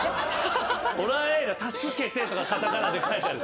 ホラー映画「タスケテ」とかカタカナで書いてある。